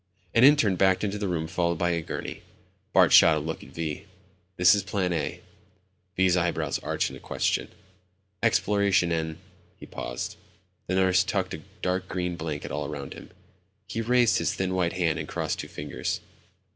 An intern backed into the room followed by a gurney. Bart shot a look at Vi. "This is plan A." Vi's eyebrows arched in a question. "Exploration and ..." he paused; the nurse tucked a dark gray blanket all around him. He raised his thin white hand and crossed two fingers